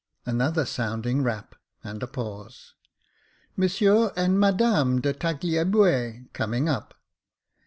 Another sounding rap, and a pause. " Monsieur and Madame de Tagliabue coming up."